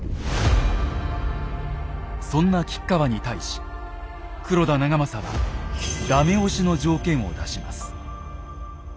そんな吉川に対し黒田長政は駄目押しの条件を出します。